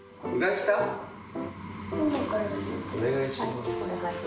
お願いします。